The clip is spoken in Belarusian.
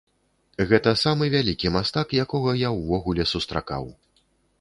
Гэта самы вялікі мастак, якога я ўвогуле сустракаў.